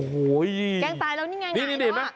แกล้งตายแล้วนี่ไงแล้ว